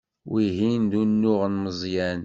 Wihin d unuɣ n Meẓyan.